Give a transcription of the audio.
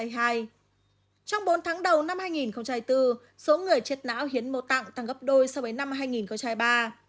trong bốn tháng đầu năm hai nghìn bốn số người chết náo hiến mô tạng tăng gấp đôi so với năm hai nghìn ba